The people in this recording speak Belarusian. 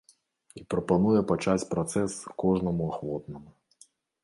І прапануе пачаць працэс кожнаму ахвотнаму.